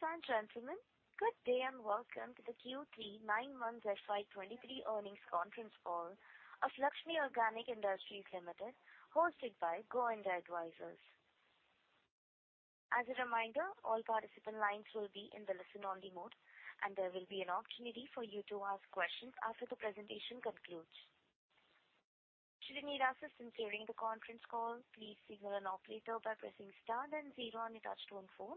Ladies and gentlemen, good day, and welcome to the Q3 nine months FY 2023 earnings conference call of Laxmi Organic Industries Limited, hosted by Go India Advisors. As a reminder, all participant lines will be in the listen-only mode, and there will be an opportunity for you to ask questions after the presentation concludes. Should you need assistance during the conference call, please signal an operator by pressing star then zero on your touchtone phone.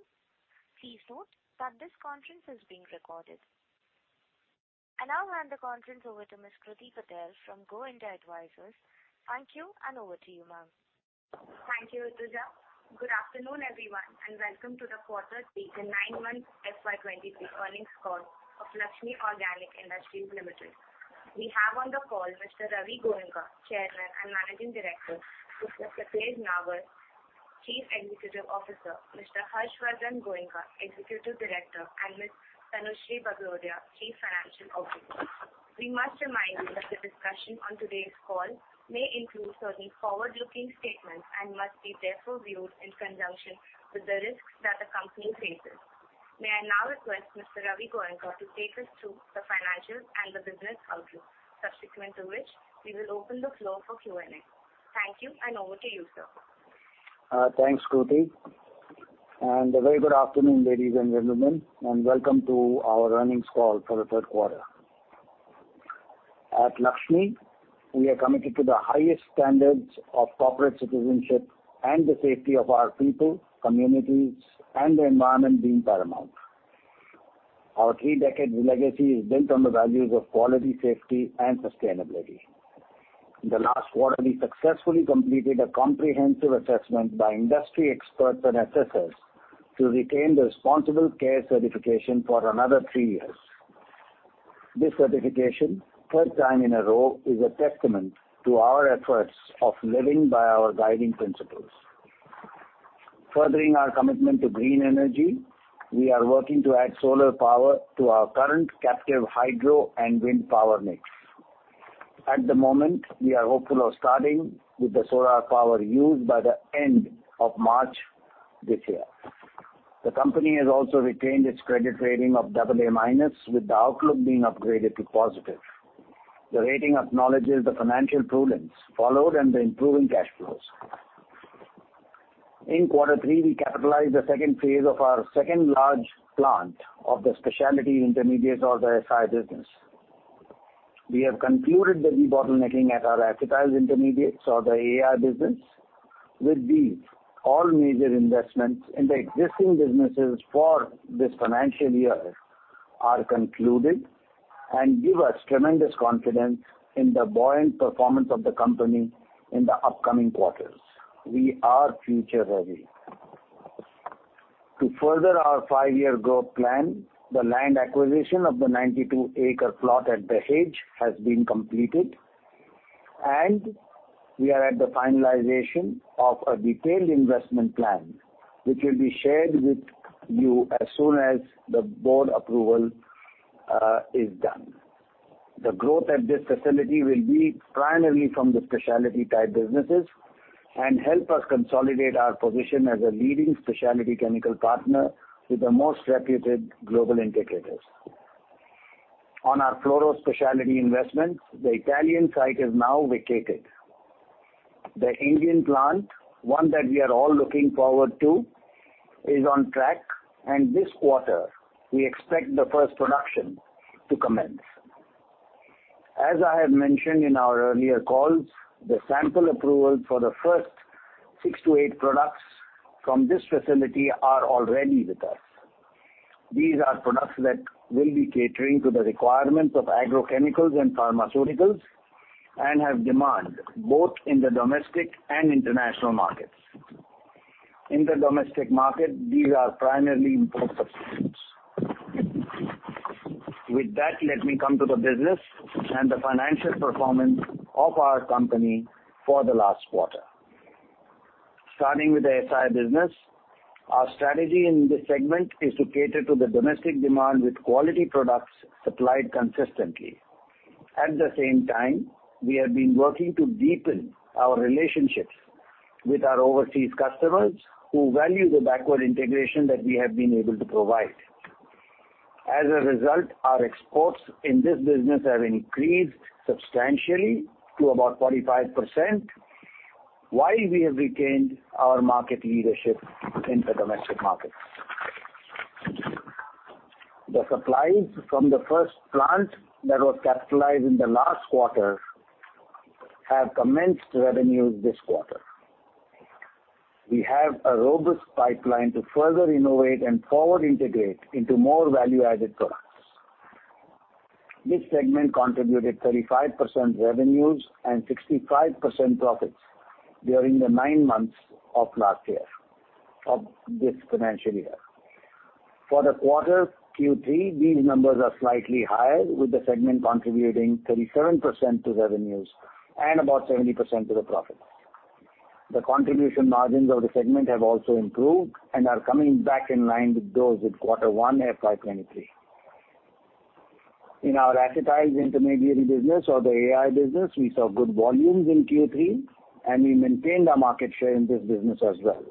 Please note that this conference is being recorded. I now hand the conference over to Ms. Kruti Patel from Go India Advisors. Thank you, and over to you, ma'am. Thank you, Rutuja. Good afternoon, everyone, and welcome to the quarter three and nine-month FY 2023 earnings call of Laxmi Organic Industries Limited. We have on the call Mr. Ravi Goenka, Chairman and Managing Director, Mr. Rajan Venkatesh, Chief Executive Officer, Mr. Harshvardhan Goenka, Executive Director, and Ms. Tanushree Bagrodia, Chief Financial Officer. We must remind you that the discussion on today's call may include certain forward-looking statements and must be therefore viewed in conjunction with the risks that the company faces. May I now request Mr. Ravi Goenka to take us through the financials and the business outlook, subsequent to which we will open the floor for Q&A. Thank you, and over to you, sir. Thanks, Kruti, and a very good afternoon, ladies and gentlemen, and welcome to our earnings call for the third quarter. At Laxmi, we are committed to the highest standards of corporate citizenship and the safety of our people, communities, and the environment being paramount. Our three-decade legacy is built on the values of quality, safety, and sustainability. In the last quarter, we successfully completed a comprehensive assessment by industry experts and assessors to retain the Responsible Care certification for another three years. This certification, third time in a row, is a testament to our efforts of living by our guiding principles. Furthering our commitment to green energy, we are working to add solar power to our current captive hydro and wind power mix. At the moment, we are hopeful of starting with the solar power used by the end of March this year. The company has also retained its credit rating of AA-, with the outlook being upgraded to positive. The rating acknowledges the financial prudence followed and the improving cash flows. In Q3, we capitalized the second phase of our second large plant of the specialty intermediates or the SI business. We have concluded the debottlenecking at our Acetyl Intermediates or the AI business. With these, all major investments in the existing businesses for this financial year are concluded and give us tremendous confidence in the buoyant performance of the company in the upcoming quarters. We are future ready. To further our five-year growth plan, the land acquisition of the 92 acre plot at Dahej has been completed, and we are at the finalization of a detailed investment plan, which will be shared with you as soon as the board approval is done. The growth at this facility will be primarily from the specialty type businesses and help us consolidate our position as a leading specialty chemical partner with the most reputed global indicators. On our fluoro specialty investments, the Italian site is now vacated. The Indian plant, one that we are all looking forward to, is on track, and this quarter we expect the first production to commence. As I have mentioned in our earlier calls, the sample approval for the first six to eight products from this facility are already with us. These are products that will be catering to the requirements of agrochemicals and pharmaceuticals and have demand both in the domestic and international markets. In the domestic market, these are primarily import substitutes. With that, let me come to the business and the financial performance of our company for the last quarter. Starting with the SI business, our strategy in this segment is to cater to the domestic demand with quality products supplied consistently. At the same time, we have been working to deepen our relationships with our overseas customers who value the backward integration that we have been able to provide. As a result, our exports in this business have increased substantially to about 45% while we have retained our market leadership in the domestic markets. The supplies from the first plant that was capitalized in the last quarter have commenced revenues this quarter. We have a robust pipeline to further innovate and forward integrate into more value-added products. This segment contributed 35% revenues and 65% profits during the nine months of last year, of this financial year. For the quarter Q3, these numbers are slightly higher, with the segment contributing 37% to revenues and about 70% to the profit. The contribution margins of the segment have also improved and are coming back in line with those at Q1 FY 2023. In our Acetyls Intermediary business or the AI business, we saw good volumes in Q3, and we maintained our market share in this business as well.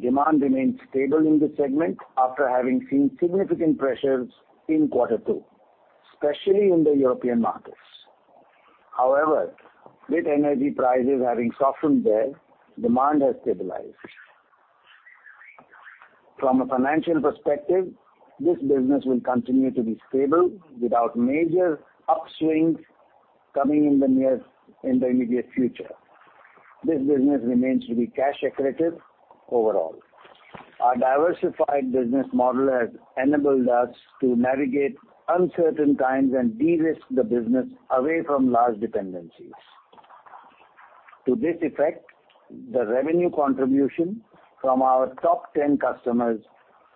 Demand remained stable in this segment after having seen significant pressures in quarter two, especially in the European markets. However, with energy prices having softened there, demand has stabilized. From a financial perspective, this business will continue to be stable without major upswings coming in the immediate future. This business remains to be cash accretive overall. Our diversified business model has enabled us to navigate uncertain times and de-risk the business away from large dependencies. To this effect, the revenue contribution from our top 10 customers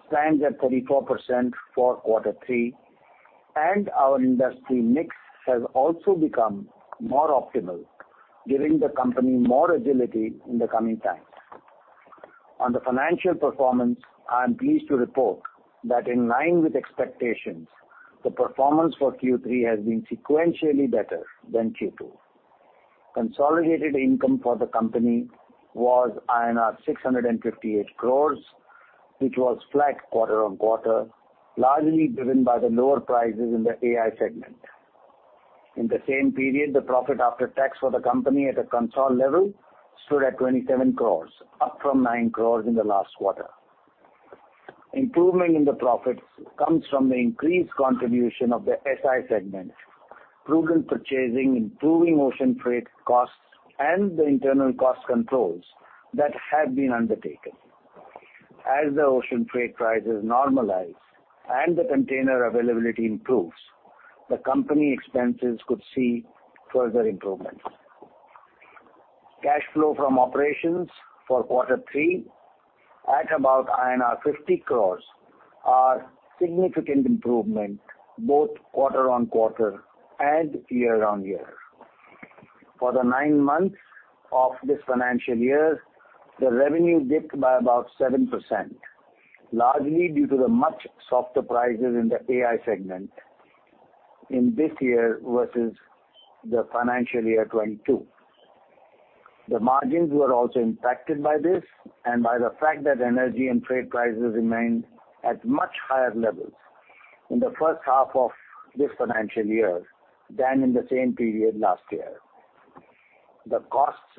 stands at 34% for quarter three, and our industry mix has also become more optimal, giving the company more agility in the coming times. On the financial performance, I am pleased to report that in line with expectations, the performance for Q3 has been sequentially better than Q2. Consolidated income for the company was INR 658 crores, which was flat quarter-on-quarter, largely driven by the lower prices in the AI segment. In the same period, the profit after tax for the company at a consolidated level stood at 27 crores, up from 9 crores in the last quarter. Improvement in the profits comes from the increased contribution of the SI segment, prudent purchasing, improving ocean freight costs and the internal cost controls that have been undertaken. As the ocean freight prices normalize and the container availability improves, the company expenses could see further improvements. Cash flow from operations for quarter three at about 50 crores are significant improvement both quarter-on-quarter and year-on-year. For the nine months of this financial year, the revenue dipped by about 7%, largely due to the much softer prices in the AI segment in this year versus the financial year 2022. The margins were also impacted by this and by the fact that energy and trade prices remained at much higher levels in the first half of this financial year than in the same period last year. The costs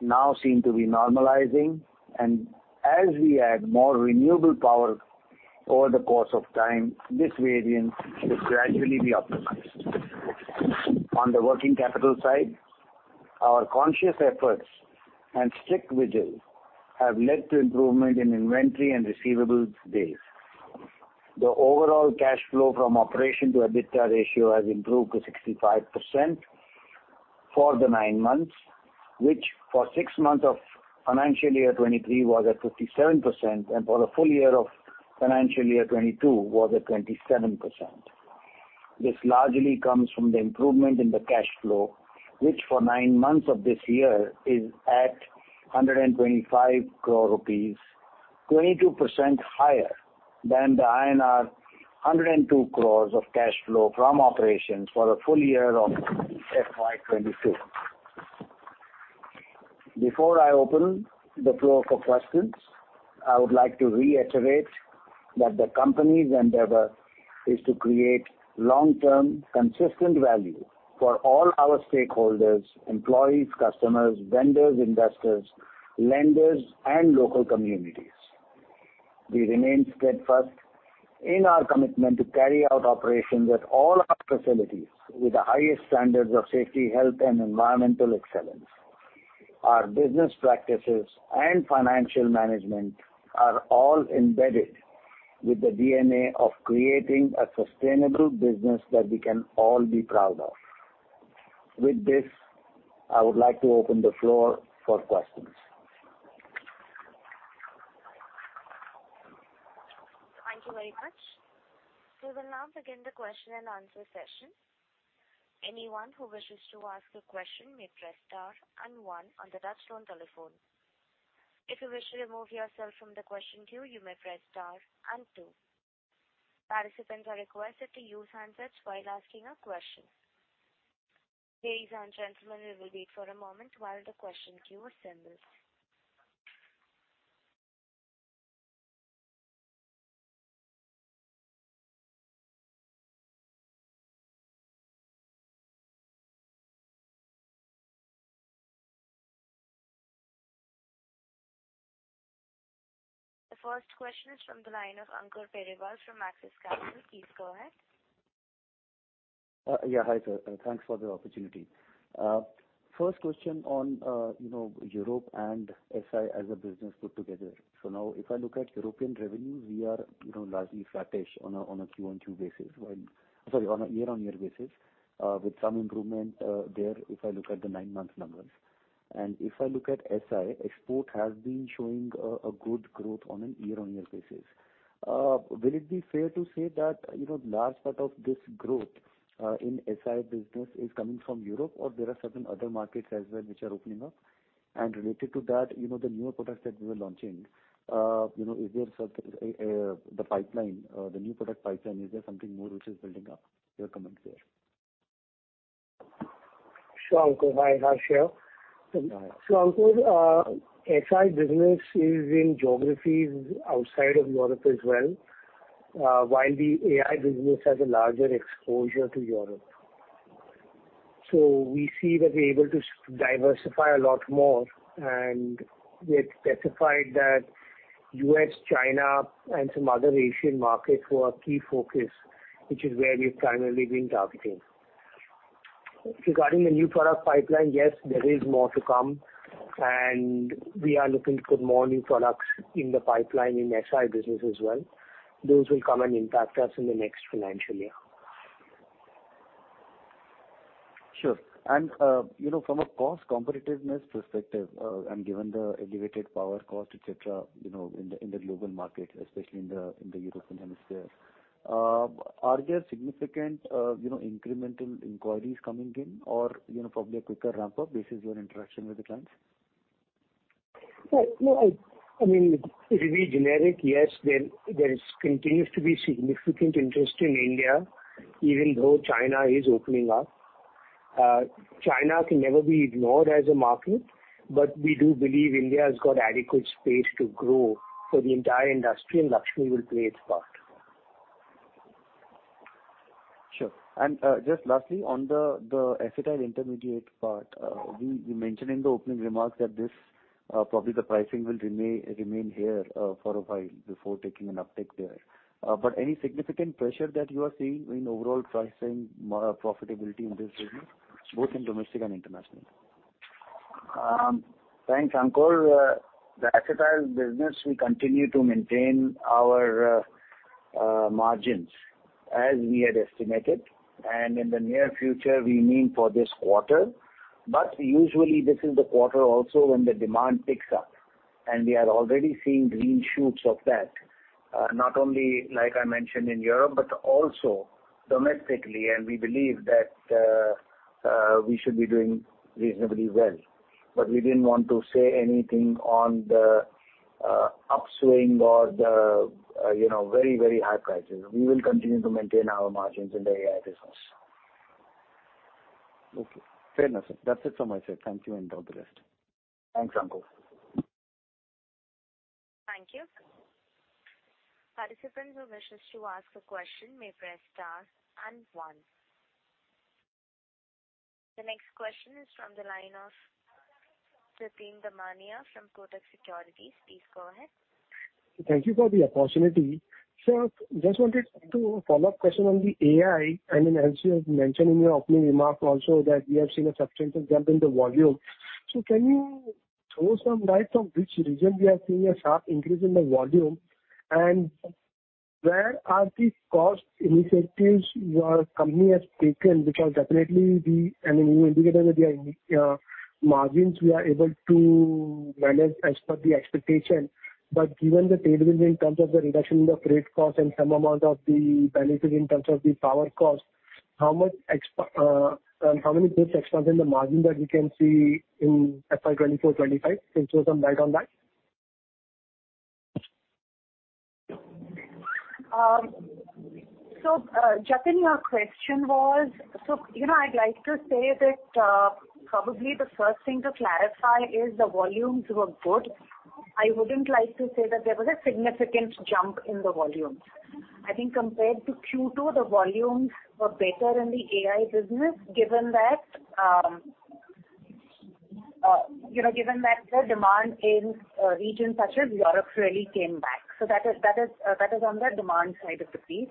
now seem to be normalizing, and as we add more renewable power over the course of time, this variance should gradually be optimized. On the working capital side, our conscious efforts and strict vigil have led to improvement in inventory and receivables days. The overall cash flow from operation to EBITDA ratio has improved to 65% for the nine months, which for six months of financial year 2023 was at 57%, and for the full year of financial year 2022 was at 27%. This largely comes from the improvement in the cash flow, which for nine months of this year is at 125 crore rupees, 22% higher than the INR 102 crore of cash flow from operations for the full year of FY 2022. Before I open the floor for questions, I would like to reiterate that the company's endeavor is to create long-term consistent value for all our stakeholders, employees, customers, vendors, investors, lenders and local communities. We remain steadfast in our commitment to carry out operations at all our facilities with the highest standards of safety, health, and environmental excellence. Our business practices and financial management are all embedded with the DNA of creating a sustainable business that we can all be proud of. With this, I would like to open the floor for questions. Thank you very much. We will now begin the question and answer session. Anyone who wishes to ask a question may star and one on the touch-tone telephone. If you wish to remove yourself from the question queue, you may press star and two. Participants are requested to use handsets while asking a question. Ladies and gentlemen, we will wait for a moment while the question queue assembles. The first question is from the line of Ankur Periwal from Axis Capital. Please go ahead. Yeah. Hi, sir. Thanks for the opportunity. First question on, you know, Europe and SI as a business put together. If I look at European revenues, we are, you know, largely flattish on a year-on-year basis, with some improvement there if I look at the nine-month numbers. If I look at SI, export has been showing a good growth on a year-on-year basis. Will it be fair to say that, you know, large part of this growth in SI business is coming from Europe or there are certain other markets as well which are opening up? Related to that, you know, the newer products that we were launching, you know, is there certain, the pipeline, the new product pipeline, is there something more which is building up your comments there? Sure, Ankur. Hi, Harsh here. Ankur, SI business is in geographies outside of Europe as well, while the AI business has a larger exposure to Europe. We see that we're able to diversify a lot more, and we had specified that U.S., China and some other Asian markets were our key focus, which is where we've primarily been targeting. Regarding the new product pipeline, yes, there is more to come, and we are looking to put more new products in the pipeline in SI business as well. Those will come and impact us in the next financial year. Sure. From a cost competitiveness perspective, and given the elevated power cost, et cetera, you know, in the, in the global market, especially in the, in the European hemisphere, are there significant, you know, incremental inquiries coming in or, you know, probably a quicker ramp up? This is your interaction with the clients. Well, no, I mean, it will be generic. Yes, there is continues to be significant interest in India, even though China is opening up. China can never be ignored as a market. We do believe India has got adequate space to grow for the entire industry, and Laxmi will play its part. Sure. Just lastly, on the Acetyl Intermediate part, you mentioned in the opening remarks that this probably the pricing will remain here for a while before taking an uptick there. But any significant pressure that you are seeing in overall pricing, profitability in this region, both in domestic and international? Thanks, Ankur Periwal. The Acetyl business, we continue to maintain our margins as we had estimated. In the near future, we mean for this quarter, but usually this is the quarter also when the demand picks up and we are already seeing green shoots of that, not only like I mentioned in Europe, but also domestically. We believe that we should be doing reasonably well. We didn't want to say anything on the upswing or the, you know, very, very high prices. We will continue to maintain our margins in the Acetic Acid business. Okay, fair enough. That's it from my side. Thank you, and all the rest. Thanks, Ankur. Thank you. Participants who wishes to ask a question may press star and one. The next question is from the line of Jatin Damania from Kotak Securities. Please go ahead. Thank you for the opportunity. Just wanted to do a follow-up question on the AI. I mean, as you have mentioned in your opening remarks also that we have seen a substantial jump in the volume. Can you throw some light on which region we are seeing a sharp increase in the volume? Where are the cost initiatives your company has taken, which are definitely the... I mean, you indicated that the margins we are able to manage as per the expectation. Given the tailwind in terms of the reduction in the freight cost and some amount of the benefits in terms of the power cost, how many basis points in the margin that we can see in FY 2024, 2025? Can you throw some light on that? Jatin, your question was? You know, I'd like to say that probably the first thing to clarify is the volumes were good. I wouldn't like to say that there was a significant jump in the volumes. I think compared to Q2, the volumes were better in the AI business, given that, you know, given that the demand in regions such as Europe really came back. That is on the demand side of the piece.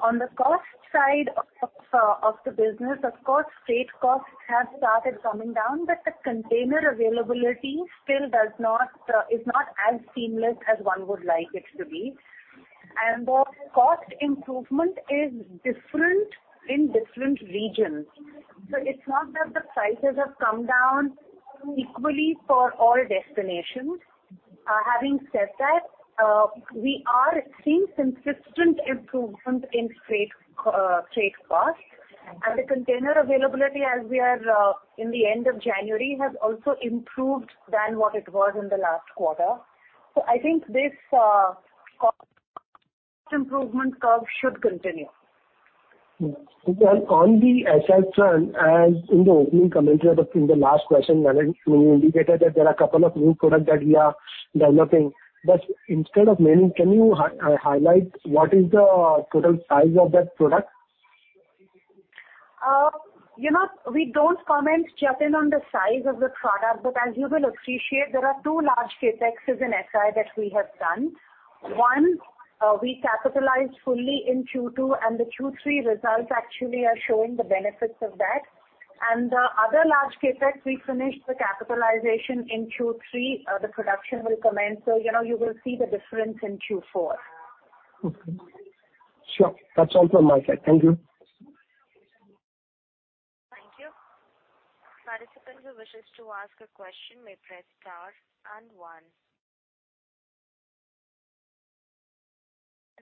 On the cost side of the business, of course, freight costs have started coming down, but the container availability still does not is not as seamless as one would like it to be. The cost improvement is different in different regions. It's not that the prices have come down equally for all destinations. Having said that, we are seeing consistent improvement in freight costs. The container availability as we are, in the end of January, has also improved than what it was in the last quarter. I think this cost improvement curve should continue. On the SI front, as in the opening commentary, but in the last question when you indicated that there are a couple of new products that we are developing. Instead of naming, can you highlight what is the total size of that product? You know, we don't comment, Jatin, on the size of the product. As you will appreciate, there are two large CapExes in SI that we have done. One, we capitalized fully in Q2, and the Q3 results actually are showing the benefits of that. The other large CapEx, we finished the capitalization in Q3. The production will commence. You know, you will see the difference in Q4. Okay. Sure. That's all from my side. Thank you. Thank you. Participants who wishes to ask a question may press star and one.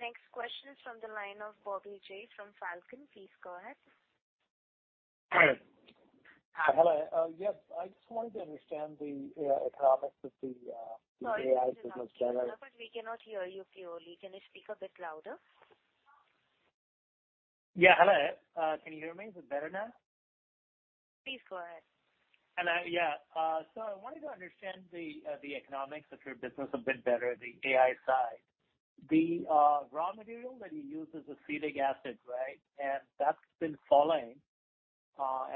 Next question is from the line of Bobby J. from Falcon. Please go ahead. Hi. Hello. Yes, I just wanted to understand the economics of the AI business better. Sorry to interrupt, we cannot hear you clearly. Can you speak a bit louder? Yeah. Hello. Can you hear me? Is it better now? Please go ahead. Hello. Yeah. I wanted to understand the economics of your business a bit better, the AI side. The raw material that you use is Acetic Acid, right? That's been falling,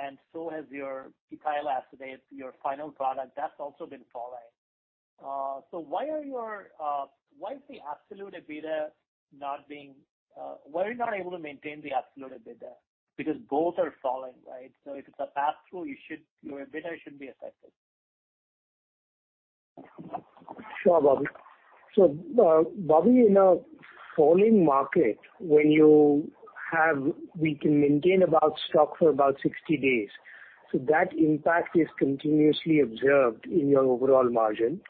and so has your Ethyl Acetate, your final product. That's also been falling. Why are you not able to maintain the absolute EBITDA? Both are falling, right? If it's a pass-through, your EBITDA shouldn't be affected. Sure, Bobby. Bobby, in a falling market, when we can maintain about stock for about 60 days. That impact is continuously observed in your overall margin.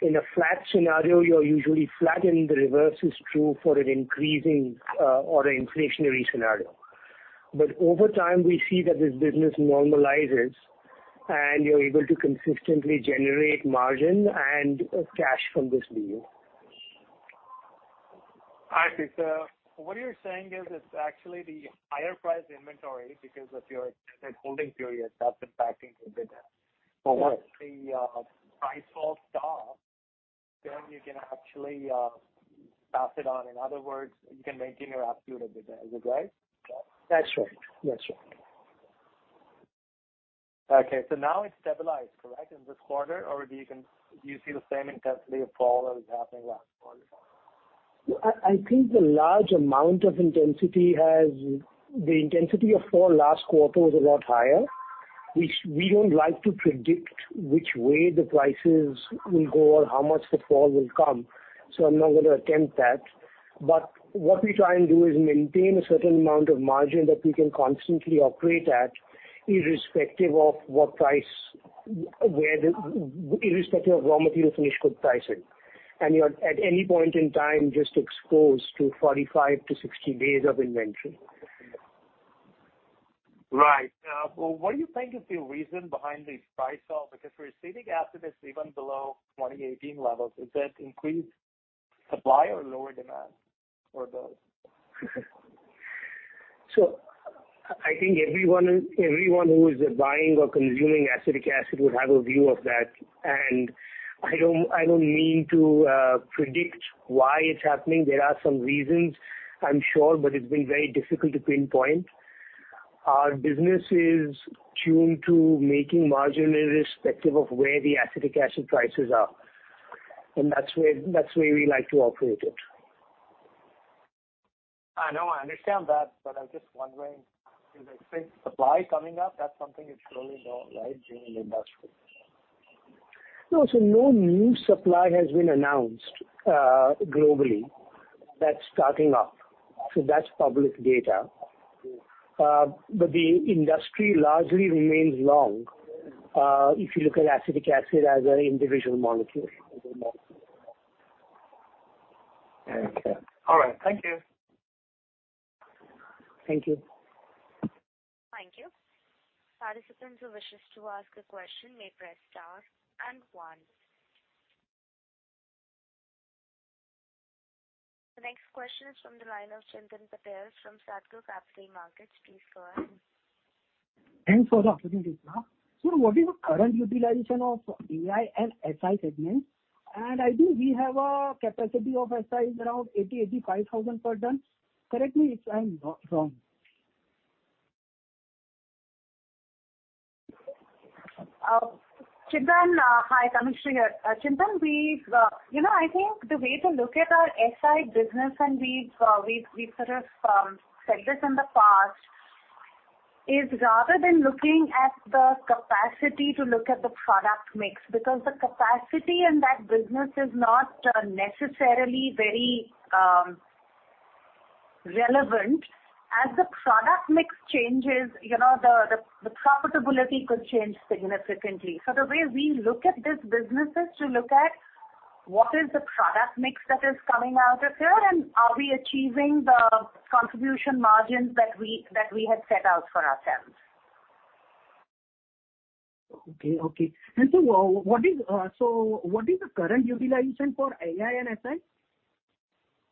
In a flat scenario, you're usually flat, and the reverse is true for an increasing or an inflationary scenario. Over time, we see that this business normalizes and you're able to consistently generate margin and cash from this view. All right. What you're saying is it's actually the higher priced inventory because of your extended holding period that's impacting EBITDA. Correct. Once the price falls down, you can actually pass it on. In other words, you can maintain your absolute EBITDA. Is it right? That's right. That's right. Okay. Now it's stabilized, correct, in this quarter? Do you see the same intensity of fall that was happening last quarter? I think the large amount of intensity has the intensity of fall last quarter was a lot higher, which we don't like to predict which way the prices will go or how much the fall will come, so I'm not gonna attempt that. What we try and do is maintain a certain amount of margin that we can constantly operate at, irrespective of what price, where the irrespective of raw material finish good pricing. You're at any point in time just exposed to 45 to 60 days of invention. Right. What do you think is the reason behind the price fall? For acetic acid, it's even below 2018 levels. Is that increased supply or lower demand, or both? I think everyone who is buying or consuming acetic acid would have a view of that. I don't mean to predict why it's happening. There are some reasons, I'm sure, but it's been very difficult to pinpoint. Our business is tuned to making margin irrespective of where the acetic acid prices are, and that's where we like to operate it. I know. I understand that, but I'm just wondering, is there big supply coming up? That's something you'd surely know, right? Being in the industry. No. No new supply has been announced, globally. That's starting up. That's public data. The industry largely remains long, if you look at acetic acid as an individual molecule. Okay. All right. Thank you. Thank you. Thank you. Participants who wishes to ask a question may press star and one. The next question is from the line of Chintan Patel from Sadguru Capital Markets. Please go ahead. Thanks for the opportunity, ma'am. What is the current utilization of AI and SI segments? I think we have a capacity of SI is around 80,000-85,000 tons. Correct me if I'm not wrong. Chintan, hi. Tanushree here. Chintan, we've, you know, I think the way to look at our SI business, and we've sort of said this in the past, is rather than looking at the capacity to look at the product mix. The capacity in that business is not necessarily very relevant. As the product mix changes, you know, the profitability could change significantly. The way we look at this business is to look at what is the product mix that is coming out of here, and are we achieving the contribution margins that we had set out for ourselves. Okay, okay. So what is the current utilization for AI and SI?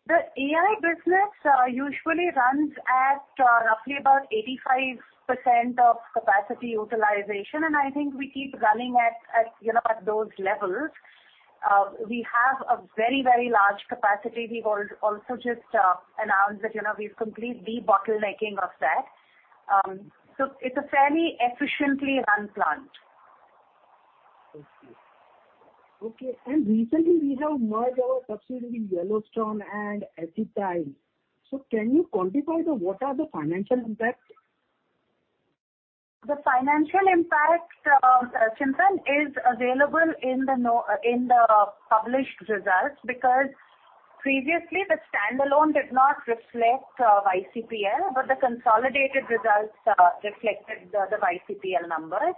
The AI business usually runs at roughly about 85% of capacity utilization, and I think we keep running at, you know, at those levels. We have a very, very large capacity. We've also just announced that, you know, we've complete debottlenecking of that. It's a fairly efficiently run plant. Okay. Okay. Recently we have merged our subsidiary Yellowstone and [Acetile]. Can you quantify the what are the financial impact? The financial impact, Chintan, is available in the published results. Previously the standalone did not reflect YCPL, but the consolidated results reflected the YCPL numbers.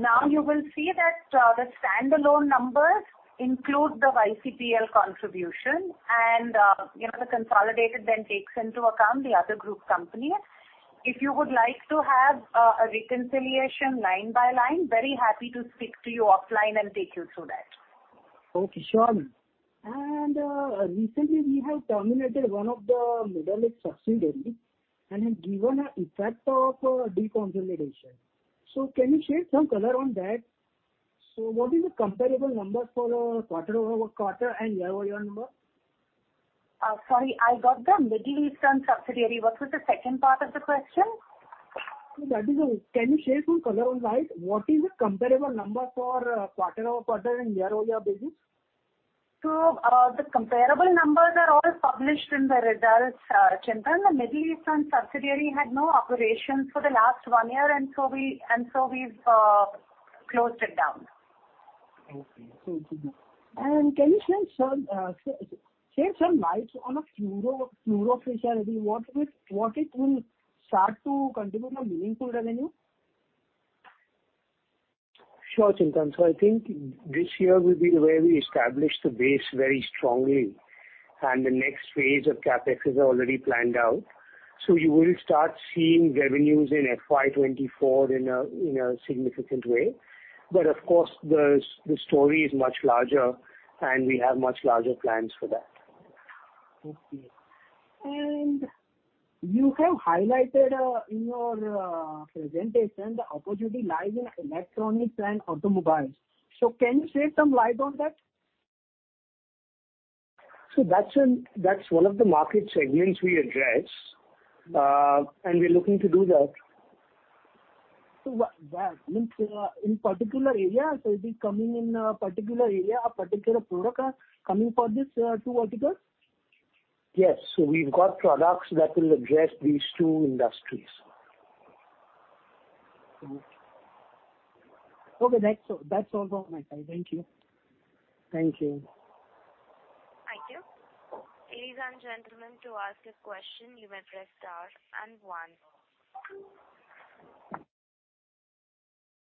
Now you will see that the standalone numbers include the YCPL contribution and, you know, the consolidated then takes into account the other group companies. If you would like to have a reconciliation line by line, very happy to speak to you offline and take you through that. Okay, sure. Recently we have terminated one of the Middle East subsidiary and have given an effect of deconsolidation. Can you share some color on that? What is the comparable number for quarter-over-quarter and year-over-year number? Sorry, I got the Middle Eastern subsidiary. What was the second part of the question? That is all. Can you share some color on that? What is the comparable number for quarter-over-quarter and year-over-year basis? The comparable numbers are all published in the results, Chintan. The Middle Eastern subsidiary had no operations for the last one year. We've closed it down. Okay. Can you share some light on a fluoro facility? What it will start to contribute a meaningful revenue? Sure, Chintan. I think this year will be where we establish the base very strongly, and the next phase of CapEx is already planned out. You will start seeing revenues in FY 2024 in a significant way. Of course, the story is much larger, and we have much larger plans for that. Okay. You have highlighted in your presentation the opportunity lies in electronics and automobiles. Can you share some light on that? That's one of the market segments we address, and we're looking to do that. That means in particular area. It is coming in a particular area, a particular product are coming for this two articles? Yes. We've got products that will address these two industries. Okay. That's all. That's all from my side. Thank you. Thank you. Thank you. Ladies and gentlemen, to ask a question, you may press star and one.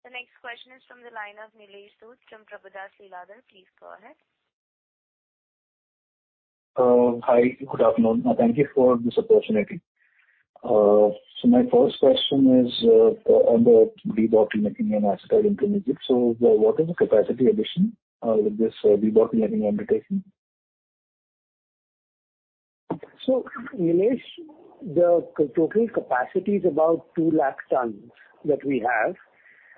The next question is from the line of Nitesh Dhoot from Prabhudas Lilladher. Please go ahead. Hi, good afternoon. Thank you for this opportunity. My first question is on the debottlenecking and acetaldehyde. What is the capacity addition with this debottlenecking undertaking? Nitesh, the total capacity is about 2 lakh tonnes that we have.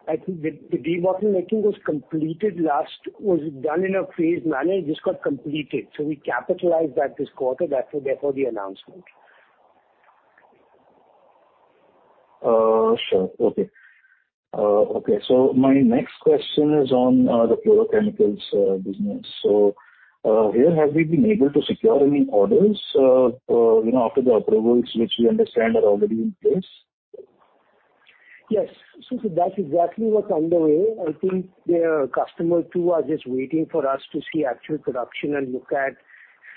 I think the debottlenecking was completed last. Was done in a phased manner. It just got completed. We capitalized that this quarter. That's therefore the announcement. Sure. Okay. Okay, my next question is on the fluorochemicals business. Here, have we been able to secure any orders, you know, after the approvals which we understand are already in place? Yes. That's exactly what's on the way. I think their customer too are just waiting for us to see actual production and look at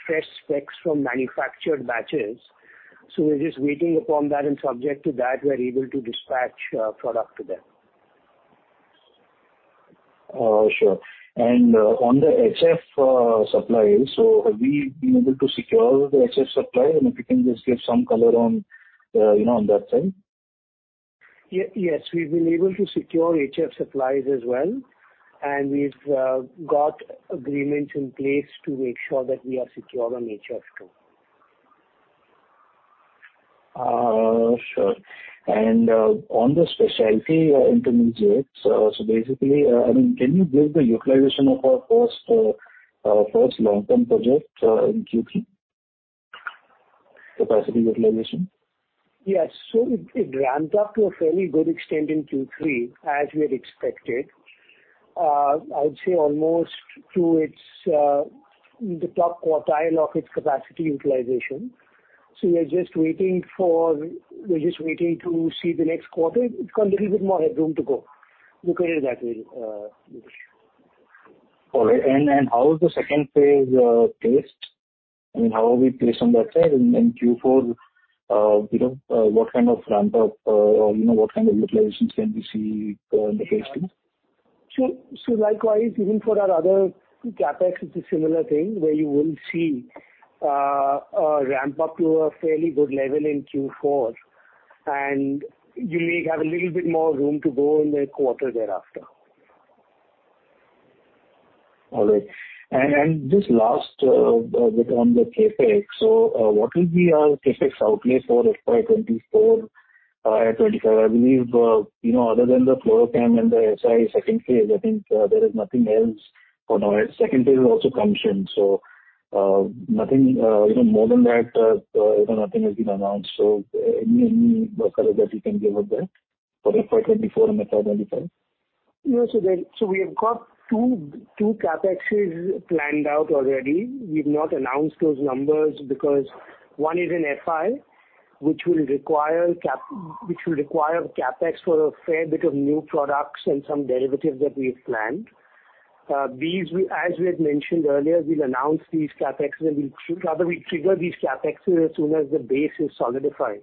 fresh specs from manufactured batches. We're just waiting upon that and subject to that, we're able to dispatch product to them. Sure. On the HF supply, so have we been able to secure the HF supply? If you can just give some color on, you know, on that side. Yes, we've been able to secure HF supplies as well, we've got agreements in place to make sure that we are secure on HF too. Sure. On the specialty intermediates, basically, I mean, can you give the utilization of our first long-term project in Q3? Capacity utilization. Yes. It ramps up to a fairly good extent in Q3 as we had expected. I would say almost to its, the top quartile of its capacity utilization. We're just waiting to see the next quarter. It's got a little bit more headroom to go. Look at it that way, Nitesh. All right. How is the second phase placed? I mean, how are we placed on that side? In Q4, you know, what kind of ramp up, you know, what kind of utilizations can we see in the case too? Likewise, even for our other CapEx, it's a similar thing where you will see a ramp up to a fairly good level in Q4, and you may have a little bit more room to go in the quarter thereafter. All right. And just last bit on the CapEx. What will be our CapEx outlay for FY 2024, 2025? I believe, you know, other than the Fluorochem and the SI second phase, I think, there is nothing else for now. Second phase is also commissioned, nothing, you know, more than that, you know, nothing has been announced. Any color that you can give on that for the FY 2024 and 2025? Yeah. We have got two CapExes planned out already. We've not announced those numbers because one is in FI which will require CapEx for a fair bit of new products and some derivatives that we've planned. These as we had mentioned earlier, we'll announce these CapEx and rather we trigger these CapEx as soon as the base is solidified.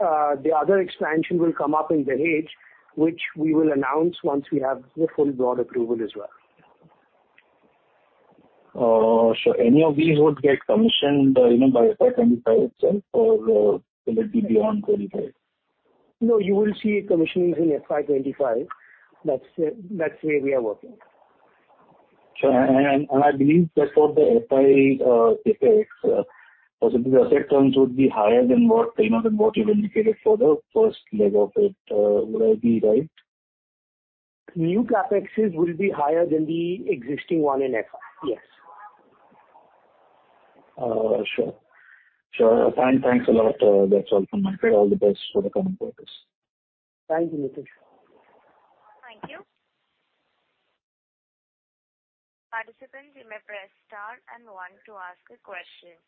The other expansion will come up in Dahej, which we will announce once we have the full board approval as well. Any of these would get commissioned, you know, by FY 2025 itself or will it be beyond 2025? You will see commissionings in FY 2025. That's where we are working. Sure. I believe that for the SI CapEx possibly the asset turns would be higher than what, you know, than what you've indicated for the first leg of it. Would I be right? New CapExes will be higher than the existing one in SI. Yes. Sure. Sure. Thanks a lot. That's all from my side. All the best for the coming quarters. Thank you, Nitesh. Thank you. Participants, you may press star and one to ask a question.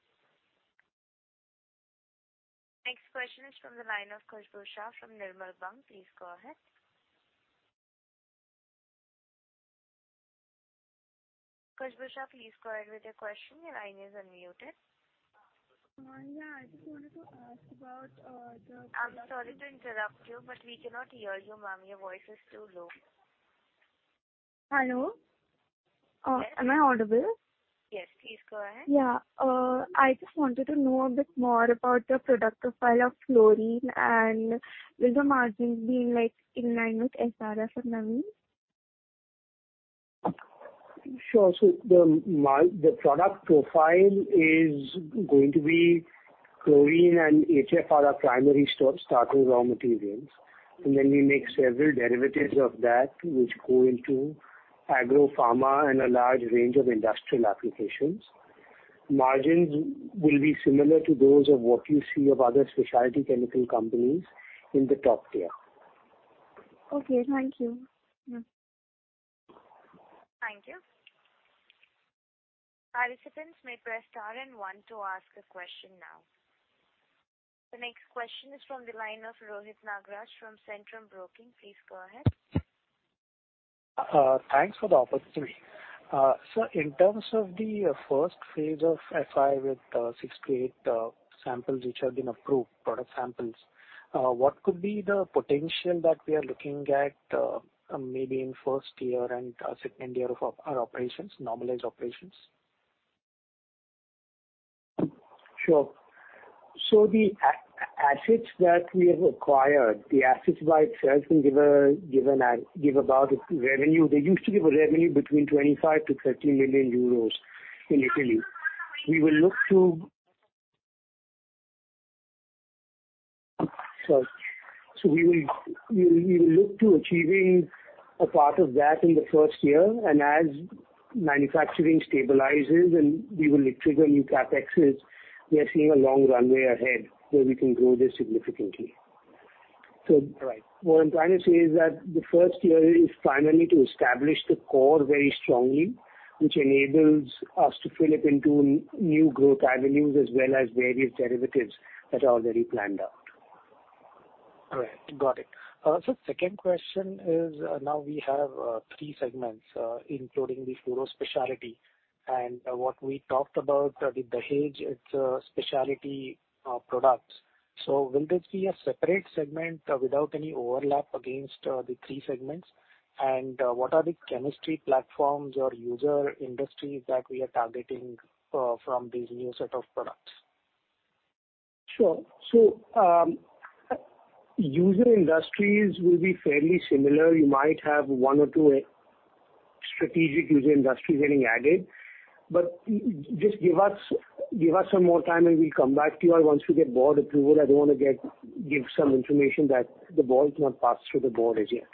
Next question is from the line of Khushbu Shah from Nirmal Bang. Please go ahead. Khushbu Shah, please go ahead with your question. Your line is unmuted. Yeah, I just wanted to ask about. I'm sorry to interrupt you, but we cannot hear you, ma'am. Your voice is too low. Hello? Am I audible? Yes, please go ahead. Yeah. I just wanted to know a bit more about the product profile of chlorine and will the margins be like in line with SRF and Navin? Sure. The product profile is going to be chlorine and HF are our primary starting raw materials. We make several derivatives of that which go into agro pharma and a large range of industrial applications. Margins will be similar to those of what you see of other specialty chemical companies in the top tier. Okay. Thank you. Thank you. Participants may press star and one to ask a question now. The next question is from the line of Rohit Nagraj from Centrum Broking. Please go ahead. Thanks for the opportunity. So in terms of the first phase of SI with six to eight samples which have been approved, product samples, what could be the potential that we are looking at maybe in first year and second year of our operations, normalized operations? Sure. The assets that we have acquired, the assets by itself can give about revenue. They used to give a revenue between 25 million-30 million euros in Italy. We will look to. Sorry. We will look to achieving a part of that in the first year. As manufacturing stabilizes and we will trigger new CapExes, we are seeing a long runway ahead where we can grow this significantly. All right. What I'm trying to say is that the first year is primarily to establish the core very strongly, which enables us to fill up into new growth avenues as well as various derivatives that are already planned out. All right. Got it. Sir, second question is, now we have three segments, including the fluoro specialty and what we talked about with Dahej, it's a specialty products. Will this be a separate segment without any overlap against the three segments? What are the chemistry platforms or user industries that we are targeting from these new set of products? Sure. User industries will be fairly similar. You might have one or two strategic user industries getting added. But just give us, give us some more time and we'll come back to you once we get board approval. I don't wanna give some information that the board has not passed through the board as yet.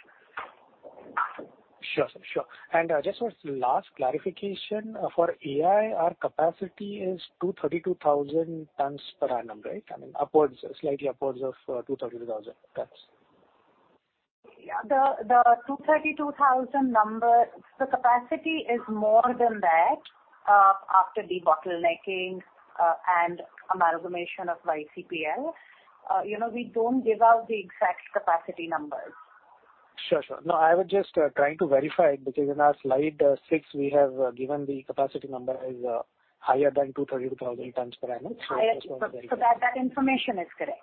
Sure, sir. Sure. Just one last clarification. For AI, our capacity is 232,000 tons per annum, right? I mean upwards, slightly upwards of 232,000 tons. Yeah. The 232,000 number, the capacity is more than that, after debottlenecking, and amalgamation of YCPL. You know, we don't give out the exact capacity numbers. Sure. Sure. No, I was just trying to verify it because in our slide six we have given the capacity number is higher than 232,000 tonnes per annum. Higher. That information is correct.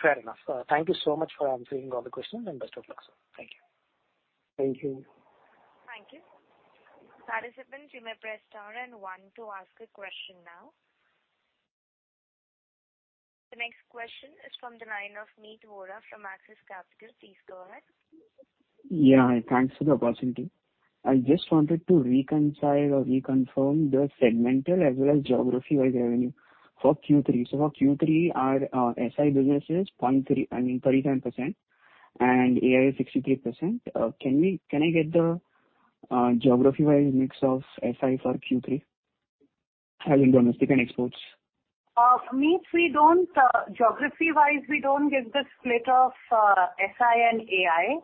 Fair enough, sir. Thank you so much for answering all the questions and best of luck, sir. Thank you. Thank you. Thank you. Participants, you may press star and one to ask a question now. The next question is from the line of Meet Vora from Axis Capital. Please go ahead. Thanks for the opportunity. I just wanted to reconcile or reconfirm the segmental as well as geography-wise revenue for Q3. For Q3, our SI business is I mean 37% and AI is 63%. Can I get the geography-wise mix of SI for Q3 as in domestic and exports? Meet, we don't geography-wise, we don't give the split of SI and AI.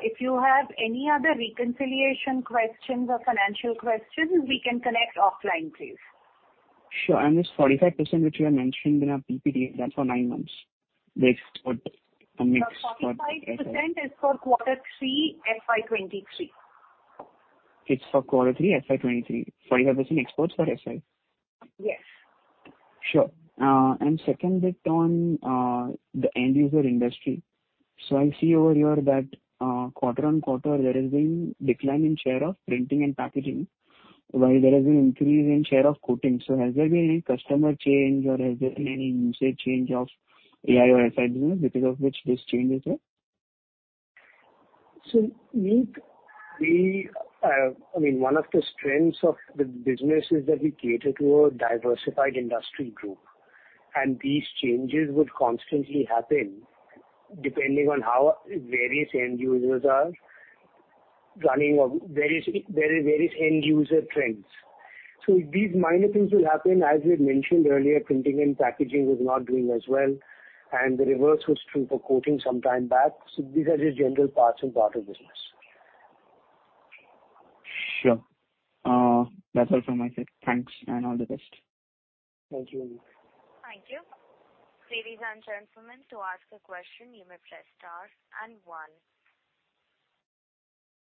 If you have any other reconciliation questions or financial questions, we can connect offline, please. Sure. This 45% which you have mentioned in our PPD, is that for nine months-based or a mix for-? The 45% is for quarter three, FY 2023. It's for quarter three, FY 2023. 45% exports for SI? Yes. Sure. Second bit on the end user industry. I see over here that, quarter-on-quarter there has been decline in share of printing and packaging while there has been increase in share of coating. Has there been any customer change or has there been any usage change of AI or SI business because of which this change is there? Meet, we, I mean, one of the strengths of the business is that we cater to a diversified industry group, and these changes would constantly happen depending on how various end users are running or various end user trends. These minor things will happen. As we had mentioned earlier, printing and packaging was not doing as well, and the reverse was true for coating some time back. These are just general parts and part of business. Sure. That's all from my side. Thanks and all the best. Thank you, Meet. Thank you. Ladies and gentlemen, to ask a question, you may press star and one.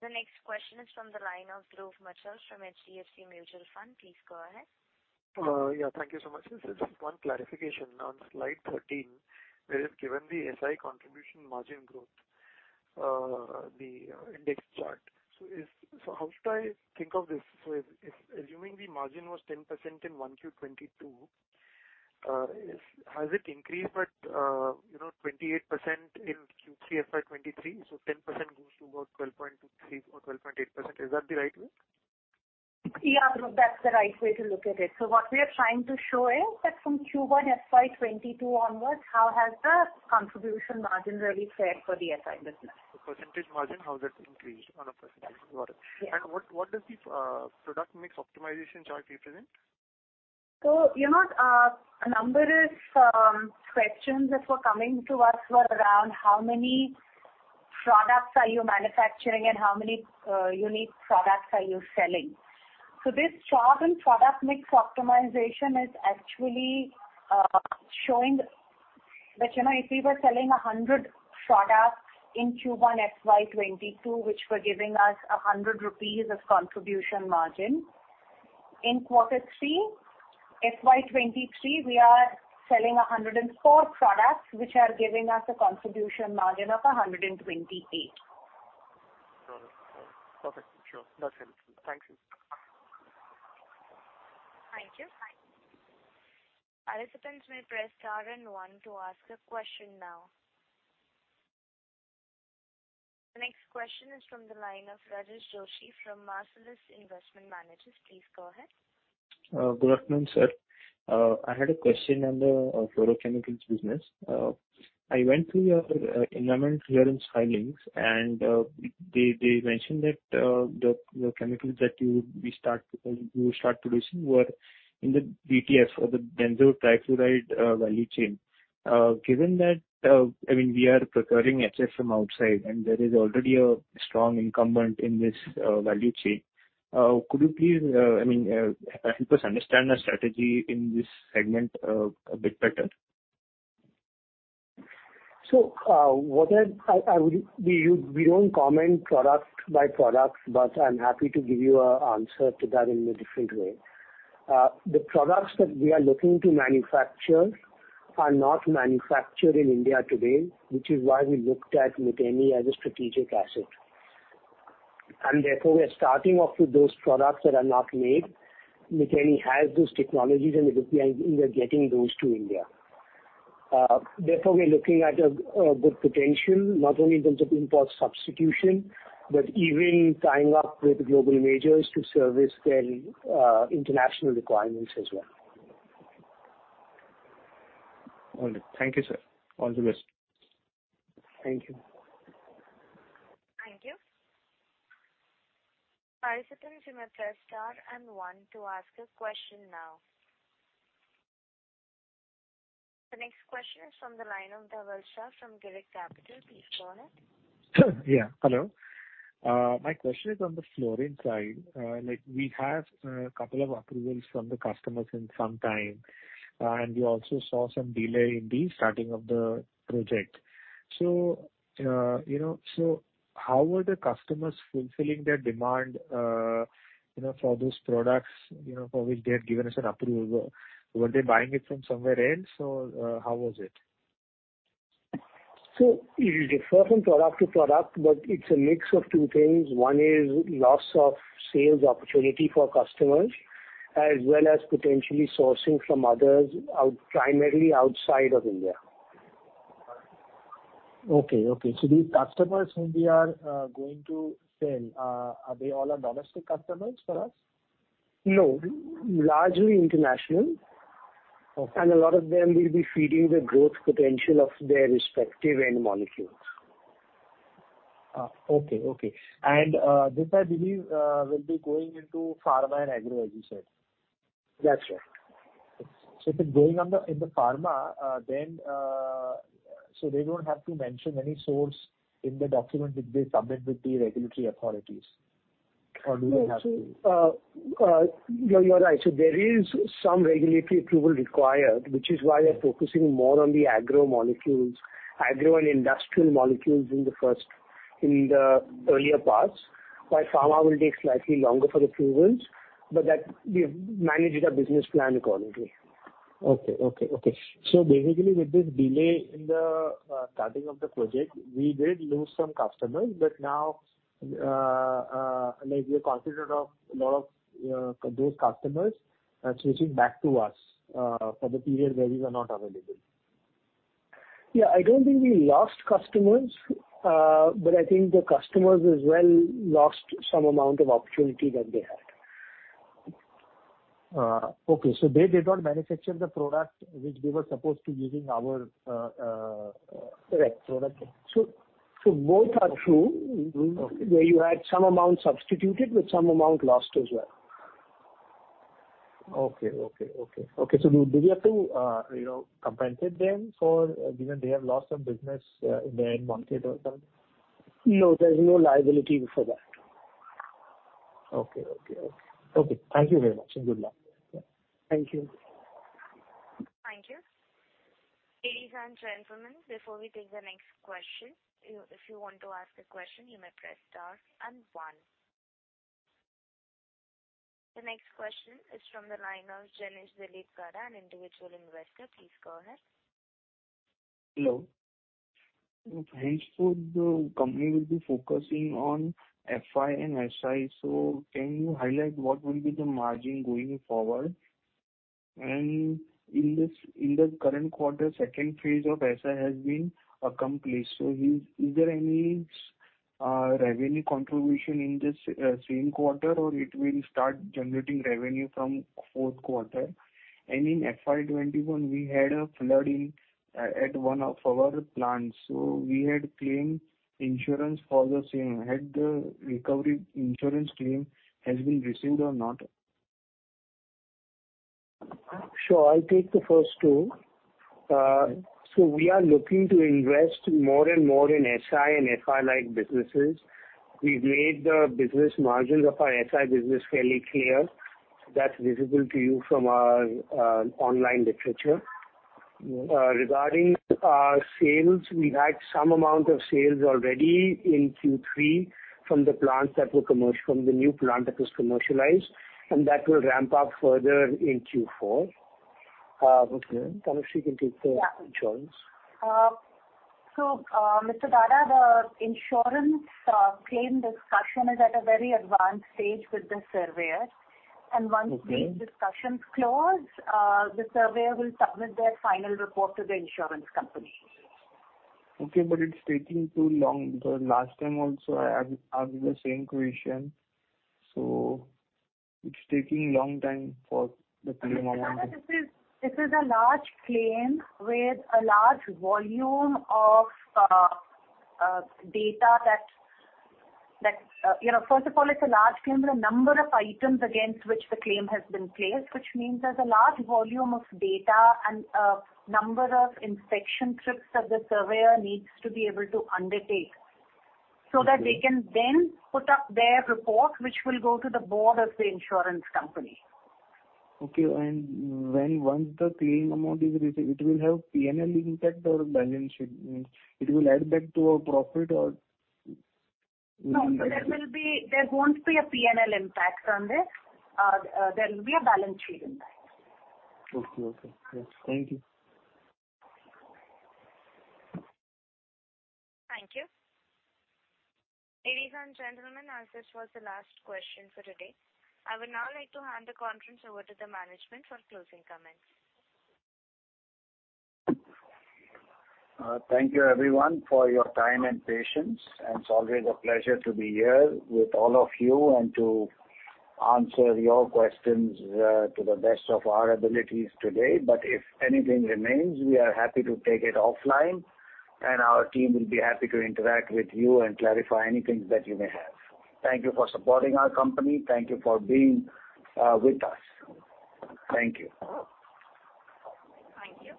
The next question is from the line of Dhruv Muchhal from HDFC Mutual Fund. Please go ahead. Yeah, thank you so much. This is one clarification. On slide 13, where you've given the SI contribution margin growth, the index chart. How should I think of this? If assuming the margin was 10% in 1Q 2022, has it increased at 28% in Q3 FY 2023? 10% goes to about 12.23% or 12.8%. Is that the right way? Yeah, that's the right way to look at it. What we are trying to show is that from Q1 FY 2022 onwards, how has the contribution margin really fared for the SI business. The percentage margin, how that's increased on a percentage. Got it. Yeah. What, what does the product mix optimization chart represent? You know, a number of questions that were coming to us were around how many products are you manufacturing and how many unique products are you selling. This chart and product mix optimization is actually showing that, you know, if we were selling 100 products in Q1 FY 2022, which were giving us 100 rupees of contribution margin. In Q3 FY 2023, we are selling 104 products, which are giving us a contribution margin of 128. Got it. Got it. Perfect. Sure. That's it. Thank you. Thank you. Participants may press star and one to ask a question now. The next question is from the line of Rajas Joshi from Marcellus Investment Managers. Please go ahead. Good afternoon, sir. I had a question on the fluorochemicals business. I went through your environment clearance filings, and they mentioned that the chemicals that you start producing were in the BTF or the Benzotrifluoride value chain. Given that, I mean, we are procuring HF from outside and there is already a strong incumbent in this value chain, could you please, I mean, help us understand the strategy in this segment a bit better? We don't comment product by product, but I'm happy to give you a answer to that in a different way. The products that we are looking to manufacture are not manufactured in India today, which is why we looked at McNeely as a strategic asset. Therefore, we are starting off with those products that are not made. McNeely has those technologies, and we are getting those to India. Therefore, we are looking at a good potential, not only in terms of import substitution, but even tying up with the global majors to service their international requirements as well. All good. Thank you, sir. All the best. Thank you. Thank you. Participants, you may press star and one to ask a question now. The next question is from the line of Dhaval Shah from Girik Capital. Please go ahead. Yeah, hello. My question is on the fluorine side. Like we have, couple of approvals from the customers in some time, and we also saw some delay in the starting of the project. You know, how were the customers fulfilling their demand, you know, for those products, you know, for which they had given us an approval? Were they buying it from somewhere else or, how was it? It will differ from product to product, but it's a mix of two things. One is loss of sales opportunity for customers as well as potentially sourcing from others primarily outside of India. Okay. Okay. These customers whom we are going to sell, are they all are domestic customers for us? No, largely international. Okay. A lot of them will be feeding the growth potential of their respective end molecules. Okay. Okay. This I believe, will be going into pharma and agro, as you said. That's right. If it's going on in the pharma, then So they don't have to mention any source in the document which they submit with the regulatory authorities. Or do they have to? No. You're right. There is some regulatory approval required, which is why we're focusing more on the agro molecules, agro and industrial molecules in the earlier parts. Pharma will take slightly longer for approvals, but that we've managed our business plan accordingly. Okay, okay. Basically, with this delay in the starting of the project, we did lose some customers. Now, like we are confident of a lot of those customers switching back to us for the period where we were not available. Yeah, I don't think we lost customers, but I think the customers as well lost some amount of opportunity that they had. Okay. They did not manufacture the product which they were supposed to using our product. Correct. Both are true. Okay. Where you had some amount substituted, but some amount lost as well. Okay, do we have to, you know, compensate them for... given they have lost some business, in their end market or some? No, there's no liability for that. Okay, okay. Okay, thank you very much, and good luck. Yeah. Thank you. Thank you. Ladies and gentlemen, before we take the next question, if you want to ask a question, you may press star and one. The next question is from the line of Janesh Dilip Karani, an individual investor. Please go ahead. Hello. Henceforth, the company will be focusing on FI and SI, can you highlight what will be the margin going forward? In this, in the current quarter, second phase of SI has been accomplished. Is there any revenue contribution in this same quarter or it will start generating revenue from fourth quarter? In FY 2021, we had a flooding at one of our plants. We had claimed insurance for the same. Had the recovery insurance claim has been received or not? Sure. I'll take the first two. We are looking to invest more and more in SI and FI-like businesses. We've made the business margins of our SI business fairly clear. That's visible to you from our online literature. Regarding our sales, we had some amount of sales already in Q3 from the plant that were from the new plant that was commercialized, and that will ramp up further in Q4. Okay. Tanushree can take the insurance. Yeah. Mr. Karani, the insurance claim discussion is at a very advanced stage with the surveyor. Okay. Once these discussions close, the surveyor will submit their final report to the insurance company. Okay, but it's taking too long. The last time also I asked the same question. It's taking long time for the claim amount. Mr. Karani, this is a large claim with a large volume of data. You know, first of all, it's a large claim with a number of items against which the claim has been placed, which means there's a large volume of data and a number of inspection trips that the surveyor needs to be able to undertake. Okay. That they can then put up their report, which will go to the board of the insurance company. Okay. once the claim amount is received, it will have PNL impact or balance sheet? It will add back to our profit or- No. There won't be a PNL impact from this. There will be a balance sheet impact. Okay. Okay. Yes. Thank you. Thank you. Ladies and gentlemen, as this was the last question for today, I would now like to hand the conference over to the management for closing comments. Thank you everyone for your time and patience. It's always a pleasure to be here with all of you and to answer your questions to the best of our abilities today. If anything remains, we are happy to take it offline, and our team will be happy to interact with you and clarify anything that you may have. Thank you for supporting our company. Thank you for being with us. Thank you. Thank you.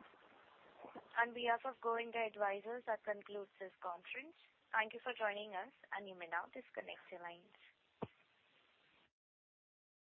On behalf of Go India Advisors, that concludes this conference. Thank you for joining us, and you may now disconnect your lines.